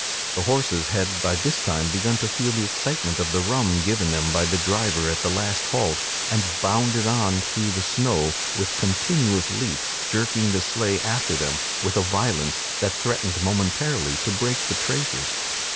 The horses had by this time begun to feel the excitement of the rum given them by the driver at the last halt, and bounded on through the snow with continuous leaps, jerking the sleigh after them with a violence that threatened momently to break the traces.